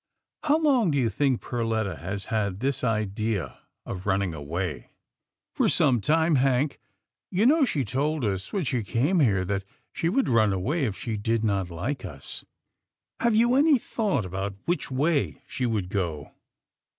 " How long do you think Perletta has had this idea of running away? "" For some time, Hank. You know she told us when she came here that she would run away if she did not like us." " Have you any thought about which way she would go